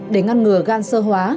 để ngăn ngừa gan sơ hóa